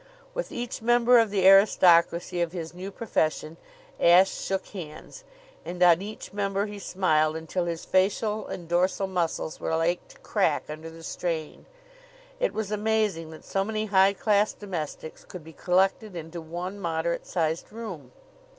With each member of the aristocracy of his new profession Ashe shook hands, and on each member he smiled, until his facial and dorsal muscles were like to crack under the strain. It was amazing that so many high class domestics could be collected into one moderate sized room.